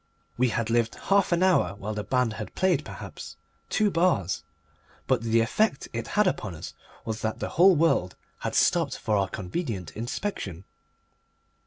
We had lived half an hour while the band had played, perhaps, two bars. But the effect it had upon us was that the whole world had stopped for our convenient inspection.